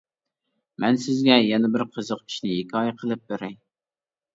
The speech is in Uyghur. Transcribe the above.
مەن سىزگە يەنە بىر قىزىق ئىشنى ھېكايە قىلىپ بېرەي.